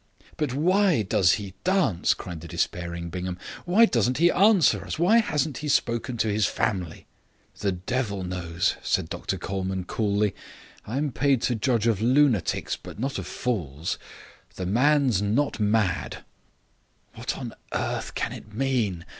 "But why does he dance?" cried the despairing Bingham. "Why doesn't he answer us? Why hasn't he spoken to his family?" "The devil knows," said Dr Colman coolly. "I'm paid to judge of lunatics, but not of fools. The man's not mad." "What on earth can it mean?